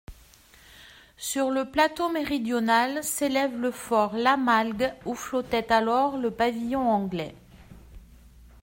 Sur le plateau méridional s'élève le fort Lamalgue, où flottait alors le pavillon anglais.